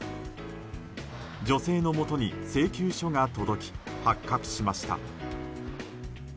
女性のもとに請求書が届き発覚しました。